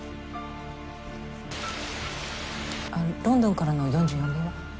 ロンドンからの４４便は？